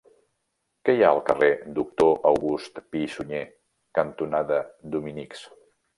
Què hi ha al carrer Doctor August Pi i Sunyer cantonada Dominics?